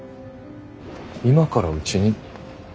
今からうちに？